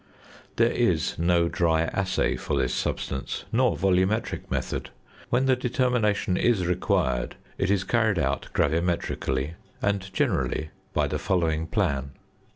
There is no dry assay for this substance, nor volumetric method; when the determination is required, it is carried out gravimetrically and, generally, by the following plan.